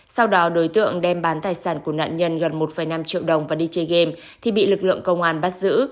sau đó đối tượng đem bán tài sản của nạn nhân gần một năm triệu đồng và đi chơi game thì bị lực lượng công an bắt giữ